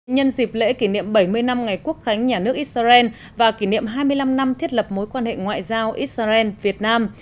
nhân dịp lễ kỷ niệm bảy mươi năm ngày quốc khánh nhà nước israel và kỷ niệm hai mươi năm năm thiết lập mối quan hệ ngoại giao israel việt nam